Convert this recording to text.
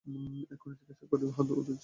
এক্ষণে জিজ্ঞাসা করি কাহার ঔদার্য অধিক হইল।